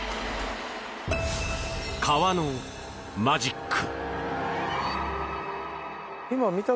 川のマジック。